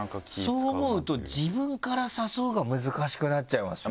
そう思うと「自分から誘う」が難しくなっちゃいますよね。